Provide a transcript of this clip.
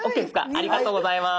ありがとうございます。